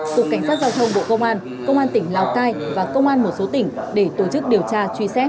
cục cảnh sát giao thông bộ công an công an tỉnh lào cai và công an một số tỉnh để tổ chức điều tra truy xét